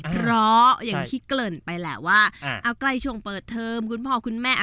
เพราะอย่างที่เขลิ่นไปแหละว่า